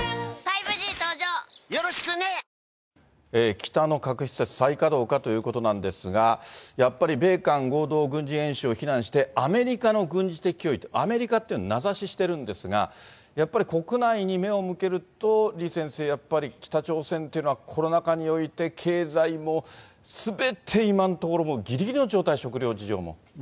北の核施設、再稼働かということなんですが、やっぱり米韓合同軍事演習を非難して、アメリカの軍事的脅威と、アメリカっていうの名指ししてるんですが、やっぱり国内に目を向けると、李先生、やっぱり北朝鮮というのは、コロナ禍において経済もすべて今のところ、もうぎりぎりの状態、食糧事情も。